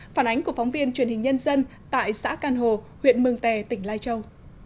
phản ánh của phóng viên truyền hình nhân dân tại xã can hồ huyện mường tè tỉnh lai châu